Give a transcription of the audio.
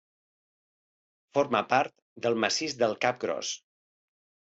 Forma part del massís del Cap Gros.